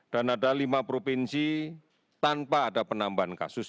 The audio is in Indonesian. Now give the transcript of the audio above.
dan ada lima provinsi tanpa ada penambahan kasus